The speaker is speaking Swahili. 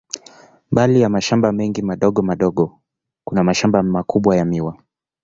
Mbali ya mashamba mengi madogo madogo, kuna mashamba makubwa ya miwa.